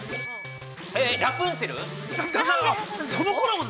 ラプンツェル？